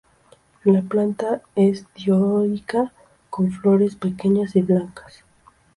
La planta es dioica, con flores pequeñas y blancas.